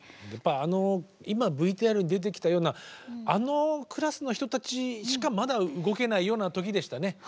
やっぱりあの今ＶＴＲに出てきたようなあのクラスの人たちしかまだ動けないような時でしたね。